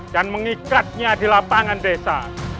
dan mengikatnya di lapangan desa